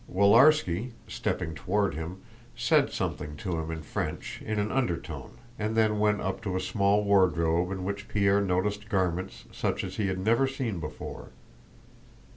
Willarski, stepping toward him, said something to him in French in an undertone and then went up to a small wardrobe in which Pierre noticed garments such as he had never seen before.